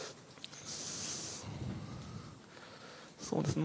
そうですね。